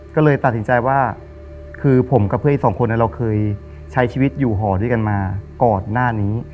ก็เลยตัดสินใจว่าคือผมกับเพื่อนอีกสองคนเราเคยใช้ชีวิตอยู่ห่อด้วยกันมาก่อนหน้านี้